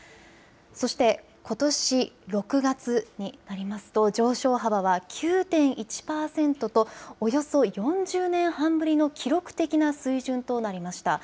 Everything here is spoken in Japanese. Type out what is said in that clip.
そして、ことし６月になりますと上昇幅は９．１％とおよそ４０年半ぶりの記録的な水準となりました。